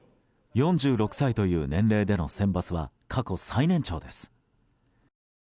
４６歳という年齢での選抜は過去最年長です。